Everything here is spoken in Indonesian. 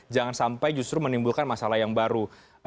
jangan sampai justru menimbulkan masalah yang baru